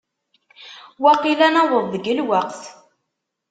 Waqil ad naweḍ deg lweqt.